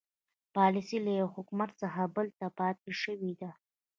پالیسي له یوه حکومت څخه بل ته پاتې شوې ده.